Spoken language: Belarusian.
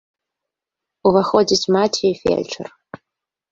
Уваходзіць маці і фельчар.